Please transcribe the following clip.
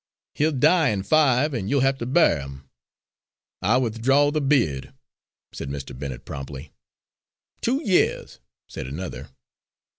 "He'll die in five, and you'll have to bury him." "I withdraw the bid," said Mr. Bennet promptly. "Two yeahs," said another.